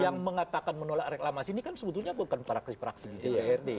yang mengatakan menolak reklamasi ini kan sebetulnya bukan praksi praksi di dprd